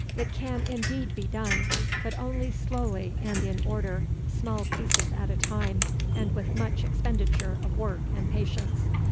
'It can indeed be done, but only slowly and in order, small pieces at a time, and with much expenditure of work and patience.